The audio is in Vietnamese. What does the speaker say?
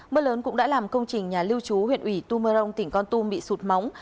mưa lớn cũng đã làm công trình nhà lưu trú huyện ủy tu mơ rông tỉnh con tum bị sụt móng